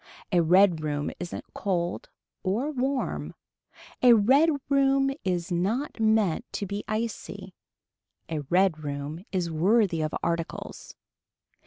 A red room isn't cold or warm. A red room is not meant to be icy. A red room is worthy of articles.